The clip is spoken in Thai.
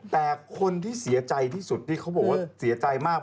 แต่คนที่เสียใจที่สุดที่เขาบอกว่าเสียใจมาก